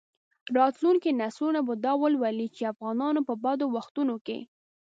راتلونکي نسلونه به دا ولولي چې افغانانو په بدو وختونو کې.